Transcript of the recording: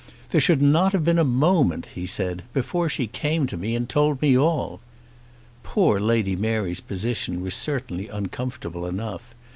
"There should not have been a moment," he said, "before she came to me and told me all." Poor Lady Mary's position was certainly uncomfortable enough.